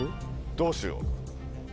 どうしよう。